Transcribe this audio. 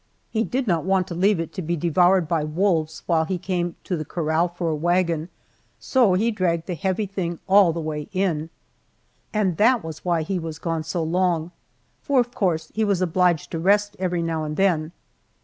He did not want to leave it to be devoured by wolves while he came to the corral for a wagon, so he dragged the heavy thing all the way in. And that was why he was gone so long, for of course he was obliged to rest every now and then.